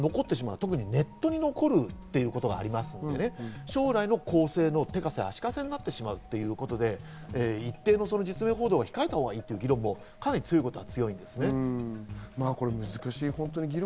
特にネットに残るということがありますので、将来の更生の手かせ足かせになってしまうということで、一定の実名報道は控えたほうがいいという議論も強いことは強いのは確かです。